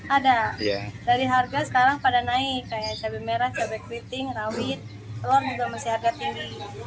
ada dari harga sekarang pada naik kayak cabai merah cabai keriting rawit telur juga masih harga tinggi